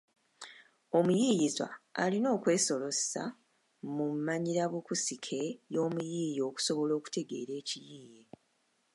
Omuyiiyizwa alina kwesolossa mu mmanyirabukusike y’omuyiiya okusobola okutegeera ekiyiiye